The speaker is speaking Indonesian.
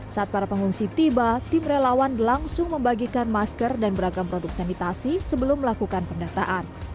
saat para pengungsi tiba tim relawan langsung membagikan masker dan beragam produk sanitasi sebelum melakukan pendataan